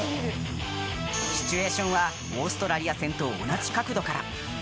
シチュエーションはオーストラリア戦と同じ角度から。